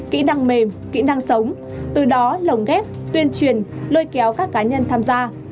kỹ năng mềm kỹ năng sống từ đó lồng ghép tuyên truyền lôi kéo các cá nhân tham gia